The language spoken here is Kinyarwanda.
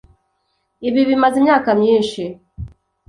ibi bimaze imyaka myinshi.